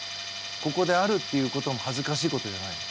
ここであるっていうこともはずかしいことじゃないよ。